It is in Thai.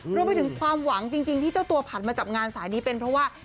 รวมไปถึงความหวังจริงที่เจ้าตัวผันมาจับงานสายนี้เป็นเพราะว่า